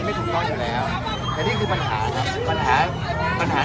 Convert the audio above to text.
ไม่ถูกต้องอยู่แล้วแต่นี่คือปัญหาครับปัญหาปัญหา